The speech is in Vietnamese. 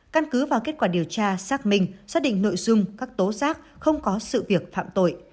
căn cứ vào kết quả điều tra xác minh xác định nội dung các tố giác không có sự việc phạm tội